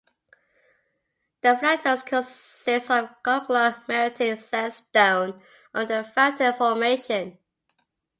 The Flatirons consist of conglomeratic sandstone of the Fountain Formation.